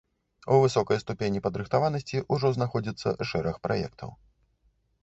У высокай ступені падрыхтаванасці ўжо знаходзіцца шэраг праектаў.